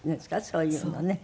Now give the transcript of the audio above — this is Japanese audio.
そういうのね。